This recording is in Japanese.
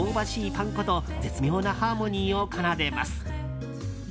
パン粉と絶妙なハーモニーを奏でます。